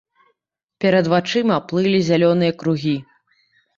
Перад вачыма плылі зялёныя кругі.